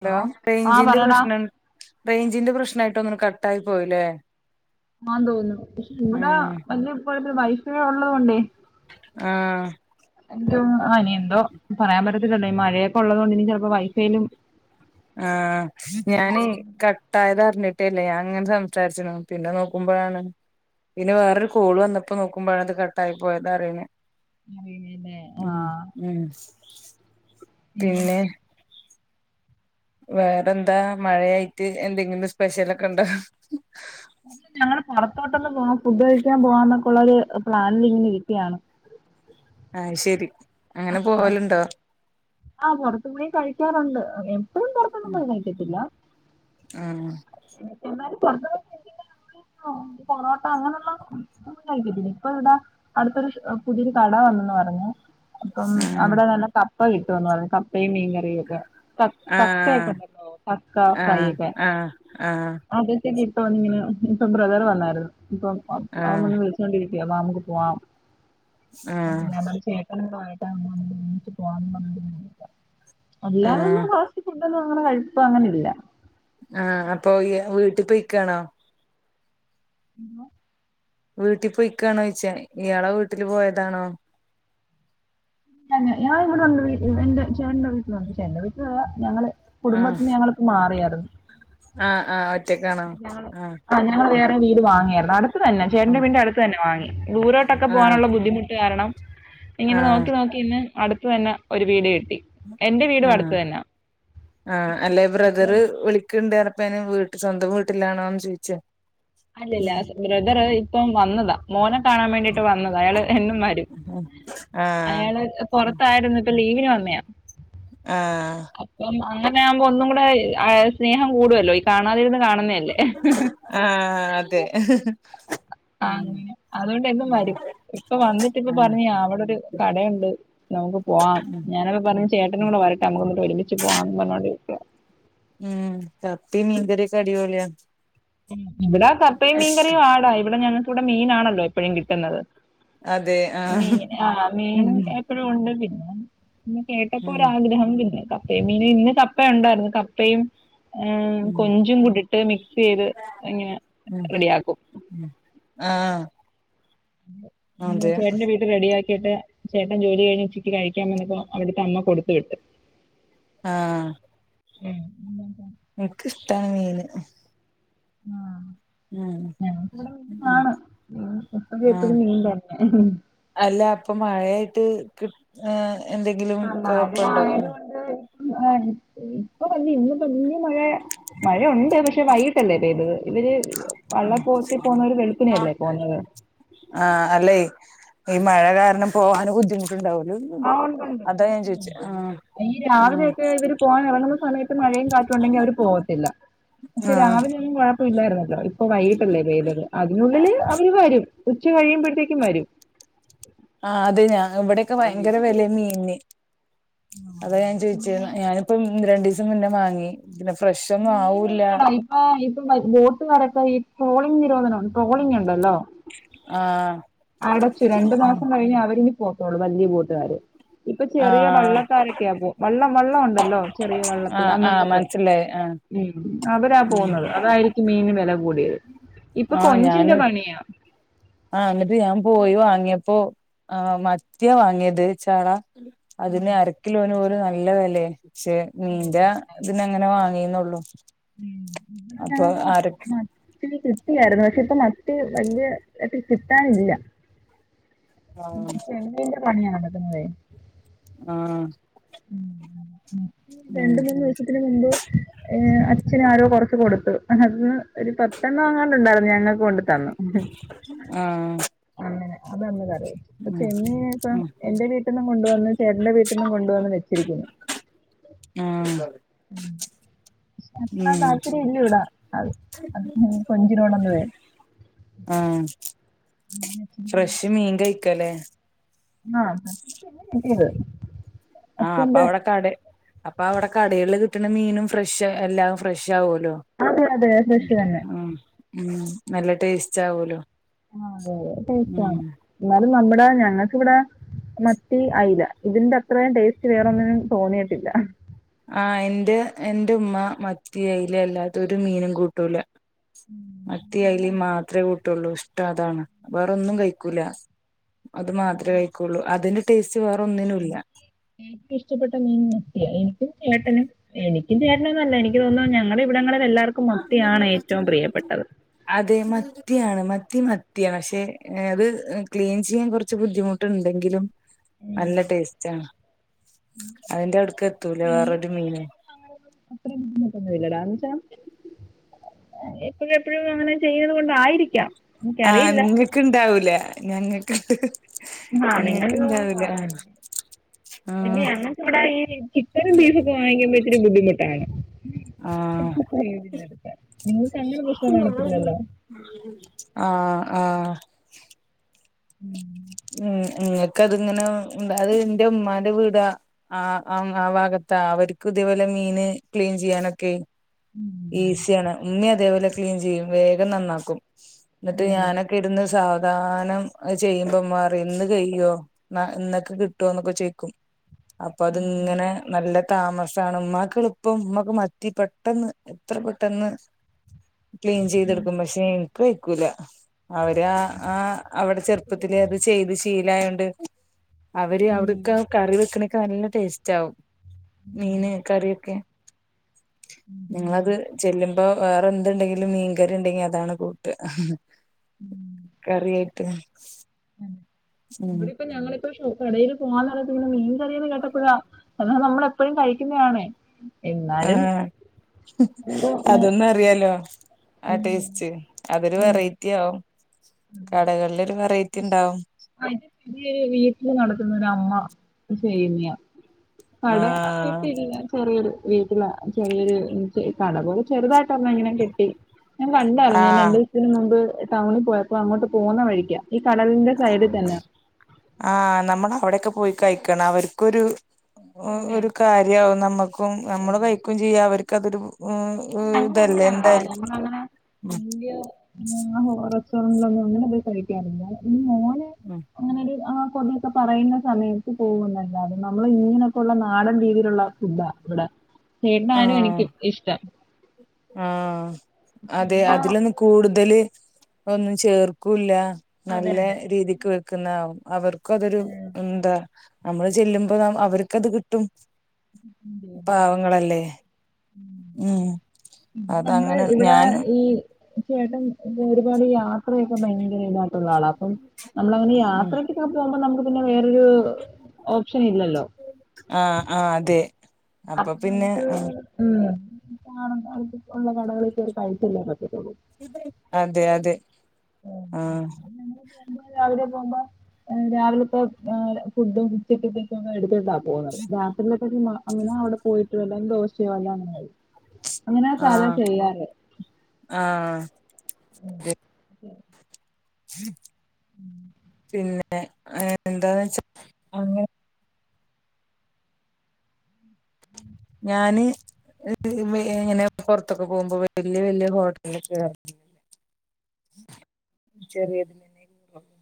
Hello ആഹ് റെയ്ഞ്ചിന്റെ പറയടാ പ്രശ്നം റെയ്ഞ്ചിന്റെ പ്രശ്നായി [unintelligible] കട്ടാ യി പോയില്ലേ ആ തോന്നുന്നു ഇവിട ഉം വല്യ കൊഴപ്പ വൈഫായ് ഒള്ളതുകൊണ്ടേ ആഹ് ആ ഇനി എന്തോ പറയാൻ പറ്റത്തില്ലല്ലോ ഈ മഴയൊക്കെ ഉള്ളത് കൊണ്ട് ഇനി ചിലപ്പോ വൈഫൈയിലും ആഹ് ഞാനെയ് എന്തേലും കട്ടായതാ ന്നിട്ടില്ലെ അങ്ങനെ സംസാരിച്ച പിന്നെ നോക്കുമ്പോഴാണ് പിന്നെ വേറൊരു കോള് വന്നപ്പോ നോക്കുമ്പോഴാണ് അത് കട്ടായിപോയത് അറിണ് ആഹ് പിന്നെ ആഹ് ഉം പിന്നെ വേറെന്താ മഴയായിട്ട് എന്തെങ്കിലും സ്‌പെഷലൊക്കെണ്ടോ ഞങ്ങ ള് പുറത്തോട്ടൊന്ന് പോ ഉപയോഗിക്കാൻ പോവാന്നൊക്കെയുള്ളൊരു പ്ലാനിൽങ്ങനെ കിട്യാണ് [unintelligible] അങ്ങനെ പോവലുണ്ടോ ആഹ് പുൊറത്തുകുടി കഴിക്കാറുണ്ട് [unintelligible] എപ്പഴും പുറത്തൊന്നുംപോയി കഴി ക്കത്തില്ല ആഹ [unintelligible] ഇപ്പൊ ഇവിടെ അടുത്തൊരു പുതിയൊരു കട വന്നന്ന് പറഞ്ഞു പ്പം ആഹ് അവിടെ നല്ലപ്പാ പോയിട്ട് വന്നൊളി [unintelligible] മീൻകറിയയൊക്കെ തക്കയൊക്കെ ഉണ്ടല്ലോ തക്ക ഫ്രൈ ഒക്കെ ആ ഇപ്പവന്നിങ്ങനെ ഇപ്പൊ ബ്രദറ് വന്നായിരുന്നു ഇപ്പം ആഹ് ആഹ് അവള് വിളിച്ചോണ്ടിരിക്കും ദേ വാ അമുക്ക് പോവാാം അ ആഹ് ഞങ്ങ ടെ ചേട്ടനാ [unintelligible] വങ്ങിച്ച് പോവാന്ന് പറഞ്ഞ നിന്നിട്ട അല്ലാ തന്ന ആഹ് [unintelligible] എ ന്നും അങ്ങനെ കഴിപ്പം അങ്ങനെ ഇല്ല ആഹ് അപ്പൊ യ്യ് വീട്ടിപ്പോയ് ക്കാണോ ഊ മ വീട്ടിപൊയ്ക്കാണോ ചോയിച്ച ഇയാളെ വീട്ടില് പോയതാണോ ഞ ഞാൻ ഇവിടെണ്ട്ഡീ വീഎ ന്റെ ചേട്ടന്റെ വീട്ടിലുണ്ട് ചേട്ടന്റെ വീട്ടിൽ ഞങ്ങള് കുടുംബതീന്ന് ഞങ്ങൾക്ക് മാറിയ ഉം ആ ആ ആ [unintelligible] ആ ഞങ്ങള് വേറെ വീട് വാങ്ങിയാരുന്നു അടുത്ത് തന്നെ ചേട്ടന്റെ ആഹ് വീണ്ട്ന്റെ അടുത്ത് തന്നെ വാങ്ങി ദൂരോട്ടൊക്കെ ആഹ് പോകാനുള്ള ബുദ്ധിമുട്ട് കാരണം ഇങ്ങനെ ആഹ് നോക്കി നോക്കി ഇന്ന് അടുത്തുതന്നെ ഒരു വീട് കിട്ട് ആ ആ അല്ലെ അപ്പം ബ്രദറ് വിളിക്ക് [unintelligible] വീട്ട് സ്വന്തം വീട്ടിലാണോന്ന് ചോദിച്ചേ അല്ലല്ല ബ്രദറ് ഇപ്പം വന്നതാ മോന കാണാൻ വേണ്ടിട്ട് വന്നത് അയാള് എന്നും മരും ഉം ആഹ് അയാള് പുറത്തായിരുന്നു ഇപ്പ ലീവ [unintelligible] ആഹ് അങ്ങനെ ആവുമ്പോ ഒന്നും കൂടെ ഇഹ് ആഹ് സ്നേഹം കൂടുല്ലോ ഈ കാണാതിരുന്ന് കാണുന്നേ അല്ലേ എഹ് ഹ് ഹ് ആ അതെ എഹ് ഹ് ഹ്.. ആ അങ്ങനെ അതുകൊണ്ട് എന്നും ഉം വരും ഇപ്പൊ വന്നിട്ട് ഇപ്പ ആഹ് പറഞ്ഞ് അവിടെ ഒരു കടയുണ്ട് നമുക്ക് പോവാം, ഉം ഞാനപ്പ പറഞ്ഞ് ചേട്ടനും കൂടെ വരട്ടെ നമുക്ക്ന്നിട്ട് ഒരുമിച്ച് പോവാന്ന് പറഞ്ഞോണ്ട് [inaudible] ഉം കപ്പിംമീങ്കറിക്കെ അടിപോളിയാ മ്.. ഇവിടാ കപ്പയും മീൻകറിയും ആടാ ഇവിടെ ഞങ് കുടെ മീനാണല്ലോ എപ്പഴും കിട്ടുന്നത് അതെ ആഹ് മീൻ ആ മീൻ ഉം എപ്പോഴും ഉണ്ട് പിന്നെ പിന്നെ കേട്ടപ്പോ ഉം ഒരാഗ്രഹം [unintelligible] [unintelligible] മീനും ഇന്ന് കപ്പയുണ്ടായിരുന്നു കപ്പയും, ആ ഉം കൊഞ്ചും കുടി ട്ട് മിക്സെയ്ത് ഇങ്ങനെ ഉം റെഡിയാക്കും ഉം ആഹ് മ് അതെ ചേട്ടന്റെ വീട്ടിൽ റെഡിയാക്കി കേട്ട ചേട്ടൻ ജോലി കഴിഞ്ഞ് ഉച്ചിക്ക് കഴിക്കാൻ വന്നപ്പോ അവിടുത്തെ അമ്മ കൊടുത്തു വിട്ട് ആഹ് മ് മ് ഇൻക്ക് ഇഷ്ടാണ് മീന് ഹ് ആഹ ഞങ്ങക് ഇവിട [unintelligible] ഉം ആണ് മ് എപ്പഴും എപ്പഴും ആഹ് മീൻ തന്നെ [unintelligible] ആഏ എന്തെങ്കിലും കൊഴപ്പുണ്ടോ ആഹ ഇപ്പൊ വന്നി ഇന്ന് തന്നി മഴ മഴയുണ്ട് പക്ഷെ വൈകിട്ടല്ലേ പെയ്ത് ഇവര് വള്ളപ്പോത്തിൽ പോകുന്നവര് ആഹ വെളുപ്പിനെയല്ലേ പോകുന്നത്. അല്ലെ ഈ മഴ കാരണം പോവാന് ബുദ്ധിമു ആ ഉണ്ട്ണ്ട് ആഹ് ഈ ആഹ് രാവിലെയൊക്കെ ഇവര് പോവാൻ ഇറങ്ങുന്ന സമയത്ത് മഴയും കാറ്റും ഉണ്ടെങ്കി അവര് പോവത്തില്ല പക്ഷെ ആഹ് രാവിലെ ഒന്നും കൊഴപ്പ ഇില്ലായിര്ന്നല്ലോ ഇപ്പ വൈകിട്ടല്ലേ വെയിലത് അതിനുള്ളിൽ അവര് വരും ഉച്ച കഴിയുമ്പോഴത്തേക്കും വരും ആ അത് ഞാൻ ഇവിടൊക്കെ വയങ്കര വിലയ മീന് ആ, അതാ ഞാൻ ചോയിച്ചെ പിന്നെ ഞാനിപ്പ ഒന്ന് രണ്ടീസെ [unintelligible] മാങ്ങി മീന് ഇല്ലടാ ഇപ്പ ഇപ്പ ബോട്ട് നെറക്ക ഈ ട്രോളിംഗ് നിരോധ ആ അടച്ചു രണ്ടു മാസം കഴിഞ്ഞ് അവരി ഒകെ ഓളെ വല്ല്യ കൂട്ട്ക്കാര് ഇപ്പൊ ചെറിയ ആഹ് വള്ളക്കാരൊക്കെയാ ഇപ്പം വള്ളം വള്ളം ഉണ്ടല്ലോ ചെറിയ വള്ളത്തിൽ ആഹ് ആഹ് അന്നങ്ങ് പോയി മനസ്സിലായി ആഹ് മ് അവരാ ഉം പോവുന്നത് അതായിരിക്കും മീന് ബെ ല കൂടിയത് ഇപ്പൊ ആഹ് കൊഞ്ചിന്റെ ഞാന് പണിയാ ആഹ് എന്നിട്ട് ഞാൻ പോയി വാങ്ങിയപ്പോ ആ മത്തിയാ വാങ്ങിയത് ചാള ഉം അതിന് അരക്കിലോന് ഓര് അ ഇള്ളതല്ലേ ക്ഷെ ഓ, മീന്റെ ഇതിനങ്ങനെ വാങ്ങി നൊള്ളൂ മ് [unintelligible] ഇല്ലായിര്ന്നു പക്ഷെ ഇപ്പ മത്തി വല്ല്യ ട്ട് കിട്ടാനില്ല മ് ആഹ് [unintelligible] ന്റെ പണിയാണ് തന്നെ ആ ഉം രണ്ട് മൂന്ന് ദിവസത്തിന് മുമ്പ് ഏ അച്ഛന് ആരോ കൊറച്ച് കൊട്ത്ത് പക്ഷ അത് ഒരു പത്തെണ്ണം എങ്ങാണ്ട് ഇണ്ടായിര്ന്നു ഞങ്ങക്ക് കൊണ്ട് തന്നു ആഹ് അങ്ങനെ അതങ്ങ് വര് ഇപ്പ ഉം ചെമ്മീന് ഇപ്പം ഉം എന്റെ വീട്ടിന്നും കൊണ്ടുവന്ന് ചേട്ടന്റെ വീട്ടിന്നും കൊണ്ട് വന്ന് വെ ച്ചിരിക്കുന്നു ഉം ഉം [inaudible] പക്ഷെ അത്ര ഉം താല്പര്യം ഇല്ല ഇവിടെ അത് കൊഞ്ചിനോട് ഒന്നുവേ ആഹ് ഫ്രഷ് മീൻ കയി ക്കല്ലേ ആഹ് കിട്ടീത് ആഹ് അപ്പൊ അവിടെക്കടേം അ അപ്പം അവിടെ കടേല് കിട്ടണ മീനും ഫ്രഷ് എല്ലാം ഫ്രഷ് ഷ് ആവുല്ലോ അതെ അതെ ഫ്രഷ് തന്നെ ആഹ് ഉം നല്ല ടേസ്റ്റ് ആവൂലോ ആ അതെ അതെ ടേസ്റ്റ് ഉം ആണ് എന്നാലും നമ്മടെ ഞങ്ങൾക്കിവിടെ മത്തി അയില ഇതിന്റെ അത്രയും ടേസ്റ്റ് വേറൊന്നിനും തോന്നിയിട്ടില്ല ആഹ് എന്റെ എന്റെ ഉമ്മ മത്തി അയില അല്ലാതെ ഒര് മീനും കൂട്ടൂല ഉം. മത്തീം അയലേം അവിടെണ്ട്. മാത്രേ കൂ ട്ടുള്ളൂ ഇഷ്ടം അതാണ് വേറൊന്നും കഴിക്കൂല അത് മാത്രമേ കഴിക്കുള്ളൂ അതിന്റെ ടേസ് എനിക്ക് ഏറ്റവും ഇഷ്ടപ്പെട്ട മീൻ മത്തിയാ എനി ചേട്ടനും എനിക്കും ചേട്ടനും എന്നല്ല എനിക്ക് തോന്നുന്നു ഞങ്ങടെ ഇവിടെങ്ങള് അതെ മത്തിയാണ് മ മത്തി മത്തിയാ പക്ഷേ അത് ക്ലീൻ ചെയ്യാൻ കുറച്ച് ബുദ്ധിമുട്ടുണ്ടെങ്കിലും ഉം. നല്ല ടേസ്റ്റ് ആണ് അതിന്റെ അടുക്ക് എത്തൂല മീൻ വേറൊരു മീനും ചെയ്യുന്നതിനൊന്നും അങ്ങനൊന്നും അത്ര ബുദ്ധിമുട്ടൊന്നുമില്ലടാ. എന്ന് വെച്ചാ എപ്പഴും എപ്പഴും അങ്ങനെ ചെയ്യുന്നത് കൊണ്ടായിരിക്കാം ആഹ് എനിക്കറിയില്ല. നിങ്ങക്ക് ഇണ്ടാവൂല ഞങ്ങൾക്ക് ആഹ് നിങ്ങക്ക് പാട് ആയിരിക്കും പിന്നെ ആഹ് ഞങ്ങക്ക് ഇവിടെ ഈ ചിക്കനും ബീഫും ഒക്കെ വാങ്ങിക്കുമ്പോ ഇത്തിരി ബുദ്ധിമുട്ടാണ് ആഹ് പ്രയോജനമെടുക്കാൻ നിങ്ങൾക്ക് അങ്ങനെ പ്രശ്നം കാണത്തില്ലല്ലോ ആഹ് ആഹ് [unintelligible] [unintelligible] അതിങ്ങനെ [unintelligible] അത് എന്റെ ഉമ്മാന്റെ വീടാ ആ ആ ഭാഗത്താ അവർക്ക് ഇതേപോലെ മീന് ക്ലീൻ ചെയ്യാനൊക്കെ ഈസിയാണ് ഉമ്മിയതേപോലെ ക്ലീൻ ചെയ്യും വേഗം നന്നാക്കും ന്നിട്ട് ഞാനൊക്കെ ഇരുന്ന് സാവ [unintelligible] ചെയ്യും ഇപ്പം മാറി എന്ന് കയ്യോ ന എന്നൊക്കെ കിട്ടോ എന്നൊക്കെ ചേക്കും അപ്പൊ അതിങ്ങനെ നല്ല താമസാണ് ഉമ്മാക്ക് എളിപ്പം ഉമ്മാക്ക് മറ്റേ പെട്ടെന്ന് എത്ര പെട്ടെന്ന് ക്ലീൻ ചെയ്തെടുക്കും പക്ഷെ എനിക്ക് ക്കൂല അവര് ആ ആ അവിടെ ചെർ പ്പതിലേ അത് ചെയ്ത് ശീലായോണ്ട് അവര് അവ്ട്ക്ക കറി വെക്ക്ണ നല്ല ടേസ്റ്റ് ആവും മീന് കറിയൊക്കെ നിങ്ങളത് ചെല്ലുമ്പോ വേറെ എന്ത്‌ണ്ടെങ്കിലും മീൻകറി ഉണ്ടെങ്കി അതാണ് കൂട്ട് കറിയാട്ട് ഇവിടെ ഇപ്പ ഞങ്ങളിപ്പ ഷോപ്പ് കടയിൽ പോവാന്ന്ള്ള മീൻ റിയ കേട്ടപ്പഴാ എന്നാത് നമ്മളെപ്പഴും കഴിക്കുന്നയാണേ ആഹ് ഇത് അതൊന്നു അറിയാലോ ആ ഉം, ടേസ്റ്റ് അതൊരു വെറൈറ്റി ആവും [inaudible] [unintelligible] കടകളിലൊരു വെറൈറ്റി ഉണ്ടാവും [unintelligible] വീട്ടില് നടക്കുന്നൊര് അമ്മ സേമിയാ കടെ ആഹ് ആയിട്ടില്ല ചെറിയൊരു വീട്ടില ചെറിയൊരു കട പോലെ ചെറുതായിട്ട് ഒരെണ്ണം ഇങ്ങനെയ്ങ്ങ് കെട്ടി ഞാൻ കണ്ടായിരുന്നു രണ്ടു ആഹ് ദിവസത്തിന് മുമ്പ് ടൗണിൽ പോയപ്പോ അങ്ങോട്ട് പോന്ന വഴിക്കാ ഈ കടലിന്റെ സൈഡിൽ തന്നാ ആഹ് നമ്മള് അവിടെക്കെ പോയി കയിക്കണം അവർക്കൊരു പിന്നെ ഒരു കാര്യവും നമ്മക്കും നമ്മള് കഴിക്കയും ചെയ്യും അവര് ക്കതൊരു ആ ഞമ്മൾങ്ങന ഞമ്മൾങ്ങനെ ഉം ന [unintelligible] ഭാഗങ്ങൾ ഒന്നും അങ്ങനെ പോയി കഴിക്കാറില്ല [unintelligible] അ ഉം അങ്ങനെ ഒരു ആ- [unintelligible] പറയുന്ന സമയത്ത് പോകുന്നുന്നല്ലാതെ നമ്മള് ഇങ്ങനൊക്കെ ഉള്ള നാടൻ രീതിയിലുള്ള ഫുഡാ ഇവിടെ എന്നാലും എനിക്ക് ഇഷ്ടാ... ആ.... അതെ അതിലൊന്ന് കൂടുതല്- ഒന്നും ചേർക്കൂല്ല നല്ല രീതിക്ക് അവർക്കും അതൊരു എന്താ നമ്മള് ചെല്ലുമ്പോ അവർക്കത് കിട്ടും പാവങ്ങളല്ലേ ഉം ഉംം നമ്മള് അതങ്ങനെ ഇവിടെ ഞാനും ഈ തീർച്ചയായിട്ടും ദൂരെ ദൂരെ യാത്ര അത്രയൊക്കെ ഭയങ്കര ഇതായിട്ടുള്ള ആളാണ് അപ്പം നമ്മള് അങ്ങനെ ഉം യാത്രക്കൊക്കെ പോകുമ്പോ നമുക്ക് പിന്നെ വേറൊരു ഓപ്ഷൻ ഇല്ലല്ലോ ആഹ് ആഹ് അതെ അപ്പൊ പിന്നെ നമുക്ക് ആഹ് ഉം അപ്പോ കാണുന്ന ഉള്ള കടകളിൽ കേറി കഴിച്ചല്ലോ പറ്റു അതെ അതെ ഉം..... ആഹ് നമ്മ രാവിലെ പോകുമ്പോ രാവിലെത്തെ ഫുഡും ഉച്ചക്കത്തെ ഫുഡും ഒക്കെ എടുത്തിണ്ടാവും പോ അങ്ങോട് രാത്രി അങ്ങനെ അവിടെ പോയിട്ട് വല്ല ദോശ വല്ലോം അങ്ങനെ കഴിക്കും അങ്ങനെ സാധാ ആഹ് ചെയ്യാറ് ആഹ് ഉ ഒക്കെ [inaudible] പിന്നെ എന്താ വെച്ചാ അ ഞാന് ഇങ്ങനെ പുറത്തൊക്കെ പോകുമ്പോ വല്യ വല്യ ഹോട്ടലൊക്കെ ചെറിയതിൽ തന്ന പോകുക